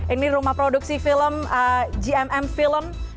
ini rumah produksi film gmm film